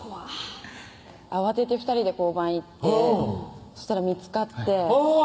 慌てて２人で交番行ってそしたら見つかってうん！